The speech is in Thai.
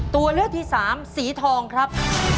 ตัวเลือกที่สามสีทองครับ